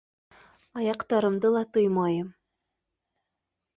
Аяҡтарымды ла тоймайым.